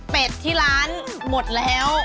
เป็ดที่ร้านหมดแล้ว